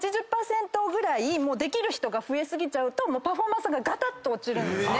８０％ぐらいできる人が増え過ぎちゃうとパフォーマンスがガタッと落ちるんですね。